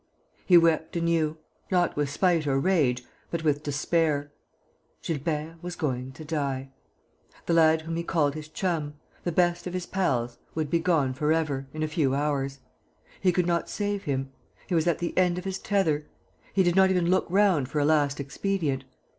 He wept anew, not with spite or rage, but with despair. Gilbert was going to die! The lad whom he called his chum, the best of his pals would be gone for ever, in a few hours. He could not save him. He was at the end of his tether. He did not even look round for a last expedient.